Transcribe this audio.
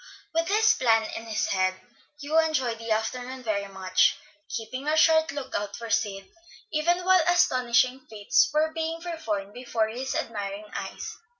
With this plan in his head, Hugh enjoyed the afternoon very much; keeping a sharp lookout for Sid, even while astonishing feats were being performed before his admiring eyes.